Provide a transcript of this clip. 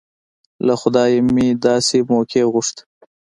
له خدايه مې داسې موقع غوښته.